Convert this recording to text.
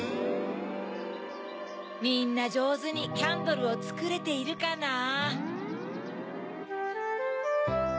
みんなじょうずにキャンドルをつくれているかなぁ。